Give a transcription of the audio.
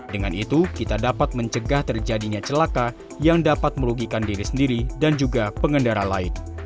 dengan itu kita dapat mencegah terjadinya celaka yang dapat merugikan diri sendiri dan juga pengendara lain